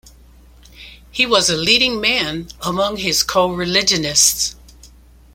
He was a leading man among his co-religionists.